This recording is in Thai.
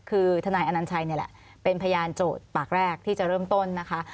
คือทนายอนัญชัยนี่แหละเป็นพยานโจทย์ปากแรกที่จะเริ่มต้นนะคะ